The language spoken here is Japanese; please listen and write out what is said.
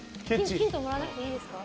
ヒントもらわなくていいですか？